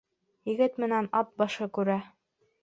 Егет менән ат башы күрә.